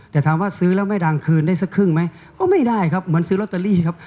แต่ถามว่าซื้อแล้วไม่ดังคืนได้สักครึ่งไหมก็ไม่ได้ครับเหมือนซื้อลอตเตอรี่ครับ